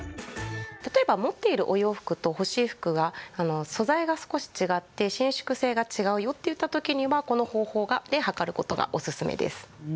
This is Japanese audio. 例えば、持っているお洋服と欲しい服の素材が少し違って伸縮性が違うよって時にはこの方法で測るのがおすすめです。